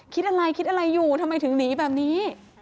คิดอะไรคิดอะไรอยู่ทำไมถึงหนีแบบนี้